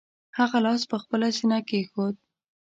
هغه لاس پر خپله سینه کېښود.